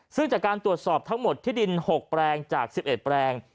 ซึ่งจากการตรวจสอบทั้งหมดที่ดิน๖แปลงจาก๑๑แปลง